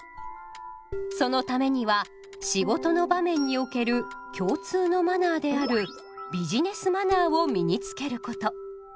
そのためには仕事の場面における共通のマナーであるビジネスマナーを身につけること。